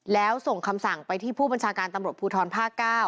แล้วส่งคำสั่งไปที่ผู้บัญชาการตำรวจภูทรภาค๙